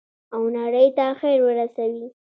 او نړۍ ته خیر ورسوي.